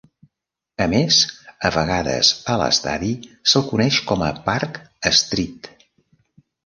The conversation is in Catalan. A més, a vegades a l'estadi se'l coneix com a "Parc Astrid".